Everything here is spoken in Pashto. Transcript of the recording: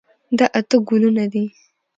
دا اته ګلونه دي.